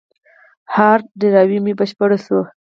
هارد ډرایو مې بشپړ شو.